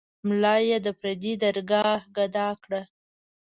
ملا یې د پردي درګاه ګدا کړ.